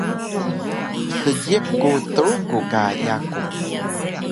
Seejiq ku Truku ka yaku